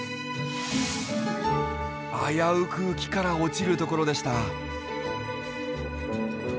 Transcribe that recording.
危うく木から落ちるところでした。